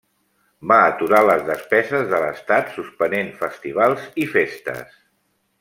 Va aturar les despeses de l'estat suspenent festivals i festes.